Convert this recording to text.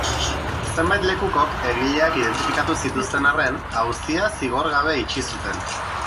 Zenbait lekukok egileak identifikatu zituzten arren, auzia zigorgabe itxi zuten.